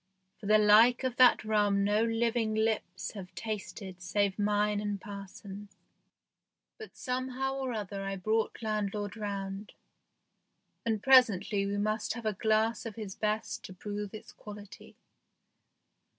For the like of that rum no living lips have tasted save mine and parson's. But somehow or other I brought landlord round, THE GHOST SHIP 17 and presently we must have a glass of his best to prove its quality.